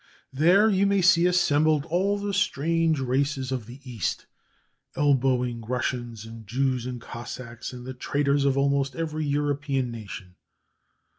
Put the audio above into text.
There you may see assembled all the strange races of the East, elbowing Russians, and Jews, and Cossacks, and the traders of almost every European nation.